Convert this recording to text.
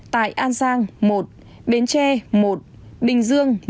tại an giang một bến tre một bình dương